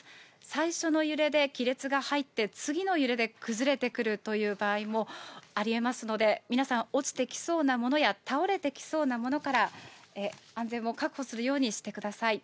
最初の揺れで亀裂が入って、次の揺れで崩れてくるという場合もありえますので、皆さん、落ちてきそうなものや倒れてきそうなものから、安全を確保するようにしてください。